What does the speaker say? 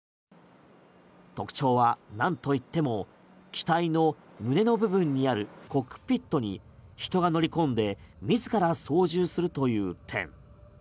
特徴はなんといっても機体の胸の部分にあるコックピットに人が乗り込んで自ら操縦するという点。